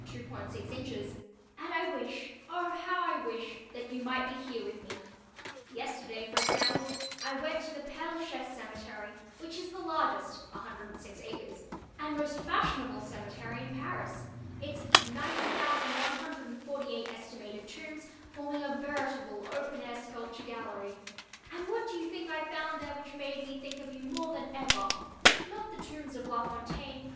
6 inches, and I wish—oh, how I wish—that you might be here with me. Yesterday, for example, I went to the Père Lachaise cemetery which is the largest (106 acres) and most fashionable cemetery in Paris, its 90,148 (est.) tombs forming a veritable open air sculpture gallery. And what do you think I found there which made me think of you more than ever? Not the tombs of La Fontaine (d.